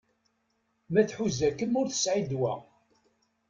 Ma tḥuza-kem ur tesɛi ddwa.